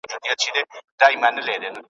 کوچنۍ غیږه دي ګرمه هم پسته وه